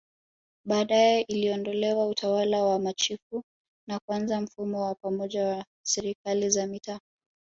Baadae iliondolewa Utawala wa machifu na kuanza mfumo wa pamoja wa Serikali za Mitaa